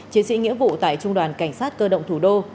chiến sĩ nghĩa vụ tại trung đoàn cảnh sát cơ động thủ đô